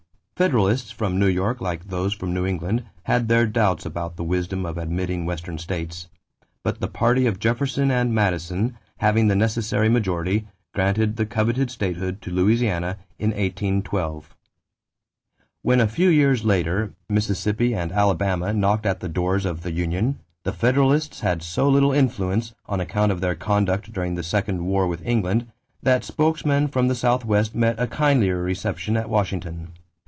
Federalists from New York like those from New England had their doubts about the wisdom of admitting Western states; but the party of Jefferson and Madison, having the necessary majority, granted the coveted statehood to Louisiana in 1812. When, a few years later, Mississippi and Alabama knocked at the doors of the union, the Federalists had so little influence, on account of their conduct during the second war with England, that spokesmen from the Southwest met a kindlier reception at Washington.